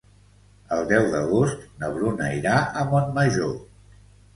El deu d'agost na Bruna irà a Montmajor.